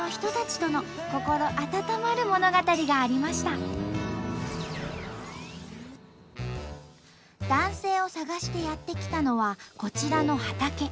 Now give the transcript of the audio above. そこには男性を捜してやって来たのはこちらの畑。